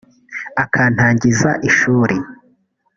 akantangiza ishuri